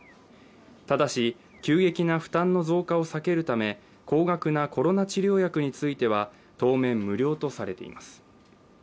ただし急激な負担の増加を避けるため高額なコロナ治療薬については当面無料とされています。